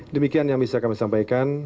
demikian yang bisa kami sampaikan